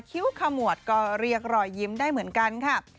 คิ้วขมวดก็เรียกรอยยิ้มได้เหมือนกันค่ะ